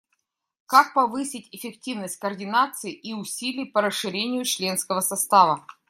Как повысить эффективность координации и усилий по расширению членского состава?